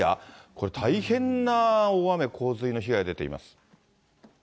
これ大変な大雨、洪水の被害が出ています。